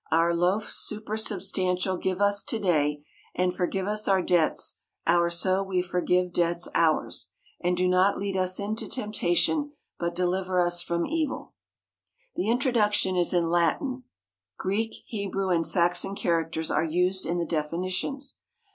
Our Loaf supersubstantial give us to day, and forgive us Debts our so we forgive Debts ours, and do not lead us into Temptation, but deliver us from Evil." The introduction is in Latin. Greek, Hebrew, and Saxon characters are used in the definitions.